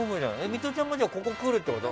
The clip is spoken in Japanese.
ミトちゃんもここ来るってこと？